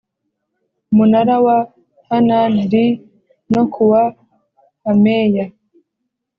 munara wa Hanan li no ku wa Hameya